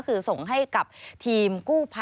สวัสดีค่ะสวัสดีค่ะ